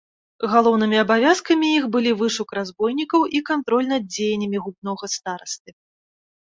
Галоўнымі абавязкамі іх былі вышук разбойнікаў і кантроль над дзеяннямі губнога старасты.